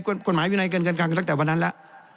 กฎหมายวินัยกันกันตั้งแต่วันนั้นละ